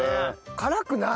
辛くない。